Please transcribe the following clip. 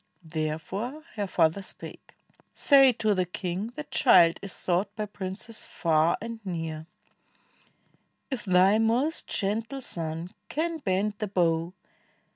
Therefore her father spake: " Say to the king, The child is sought by princes far and near; 35 IXDL\ If thy most gentle son can bend the bow.